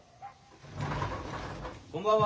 ・・こんばんは。